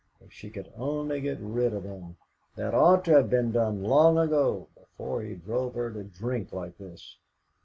If she could only get rid of him! That ought to have been done long ago, before he drove her to drink like this.